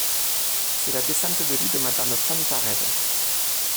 C’est la descente de lit de Madame Plantarède.